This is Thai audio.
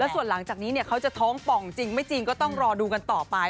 ส่วนหลังจากนี้เขาจะท้องป่องจริงไม่จริงก็ต้องรอดูกันต่อไป